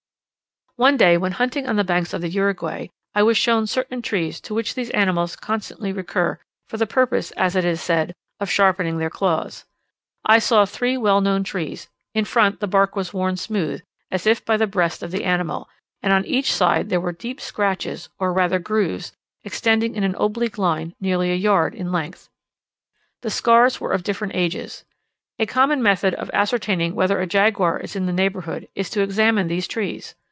One day, when hunting on the banks of the Uruguay, I was shown certain trees, to which these animals constantly recur for the purpose, as it is said, of sharpening their claws. I saw three well known trees; in front, the bark was worn smooth, as if by the breast of the animal, and on each side there were deep scratches, or rather grooves, extending in an oblique line, nearly a yard in length. The scars were of different ages. A common method of ascertaining whether a jaguar is in the neighbourhood is to examine these trees.